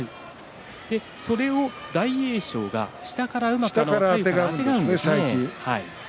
それを大栄翔が下からうまくあてがうんですね。